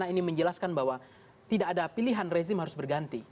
ini menjelaskan bahwa tidak ada pilihan rezim harus berganti